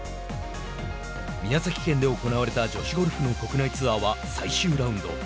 宮崎県で行われた女子ゴルフの国内ツアーは最終ラウンド。